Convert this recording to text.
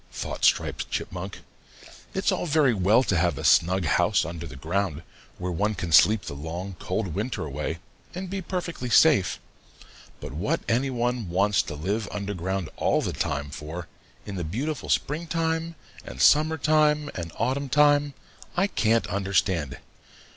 thought Striped Chipmunk. "It's all very well to have a snug house under the ground, where one can sleep the long cold winter away and be perfectly safe, but what any one wants to live under the ground all the time for, in the beautiful springtime and summertime and autumntime, I can't understand.